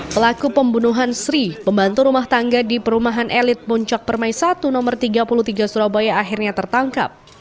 pelaku pembunuhan sri pembantu rumah tangga di perumahan elit puncak permai satu no tiga puluh tiga surabaya akhirnya tertangkap